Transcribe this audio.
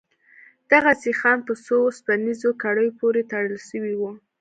دغه سيخان په څو وسپنيزو کړيو پورې تړل سوي وو.